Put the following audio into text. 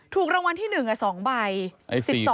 ถูกรางวัลที่หนึ่ง๒ใบ